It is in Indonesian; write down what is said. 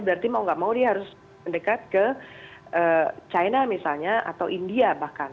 berarti mau nggak mau dia harus mendekat ke china misalnya atau india bahkan